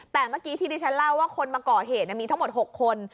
แต่เมื่อกี้ที่ดิฉันเล่าว่าคนมาก่อเหตุมีทั้งหมด๖คน